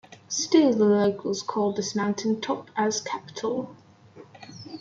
Still the locals called this mountain top as kapital.